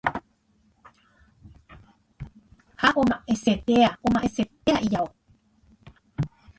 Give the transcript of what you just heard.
ha omasetea omasetea ijao